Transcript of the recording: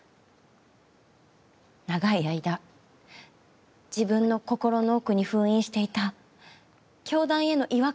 長い間自分の心の奥に封印していた教団への違和感がポロポロと出てきて。